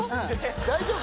大丈夫？